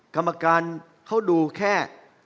กรรมการเขาดูแค่